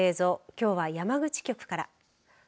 きょうは山口局から。